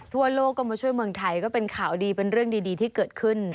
ทั่วโลกก็มาช่วยเมืองไทยก็เป็นข่าวดีเป็นเรื่องดีที่เกิดขึ้น